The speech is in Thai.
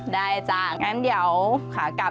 จ้ะงั้นเดี๋ยวขากลับ